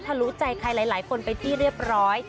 ลุใจใครหลายคนไปที่เรียบร้อย